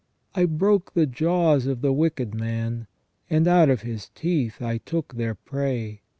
I broke the jaws of the wicked man ; and out of his teeth I took the prey.